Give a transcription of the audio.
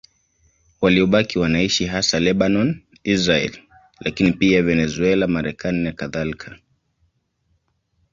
Waliobaki wanaishi hasa Lebanoni, Israeli, lakini pia Venezuela, Marekani nakadhalika.